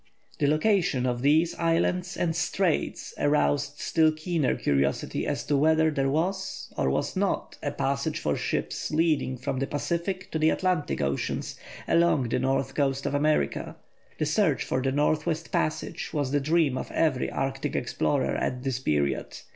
The location of these islands and straits aroused still keener curiosity as to whether there was or was not a passage for ships leading from the Pacific to the Atlantic Oceans along the north coast of America. The search for the North West Passage was the dream of every Arctic explorer at this period.